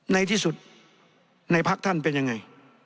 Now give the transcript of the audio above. ในที่สุดในพักท่านเป็นยังไง